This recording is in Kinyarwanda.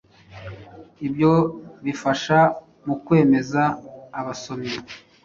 Ibyo bifasha mu kwemeza abasomyi.